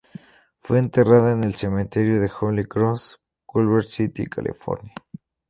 Fue enterrada en el Cementerio de Holy Cross, Culver City, California.